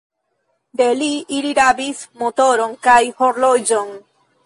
De li, ili rabis motoron kaj horloĝon.